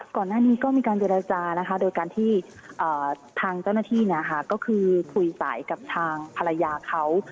ก่อนหน้านี้ก็มีการเจรจานะคะโดยการที่ทางเจ้าหน้าที่ก็คือคุยสายกับทางภรรยาเขา